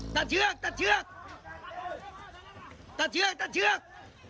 เชือกตัดเชือกตัดเชือกตัดเชือก